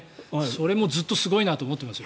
それもずっとすごいなと思ってますよ。